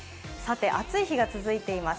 暑い日が続いています。